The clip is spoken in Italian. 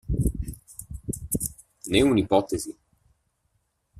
Né un'ipotesi.